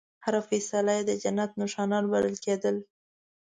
هره فیصله یې د جنت نښانه بلل کېدله.